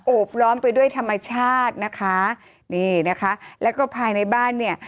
บล้อมไปด้วยธรรมชาตินะคะนี่นะคะแล้วก็ภายในบ้านเนี่ย